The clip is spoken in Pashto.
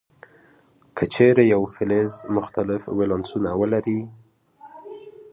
که چیرې یو فلز مختلف ولانسونه ولري.